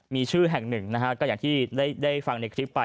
มีชื่อแห่งหนึ่งนะฮะก็อย่างที่ได้ฟังในคลิปไป